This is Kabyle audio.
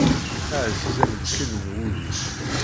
Aɛziz am lkil n wudi.